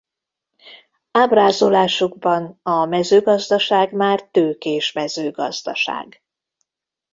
Ábrázolásukban a mezőgazdaság már tőkés mezőgazdaság.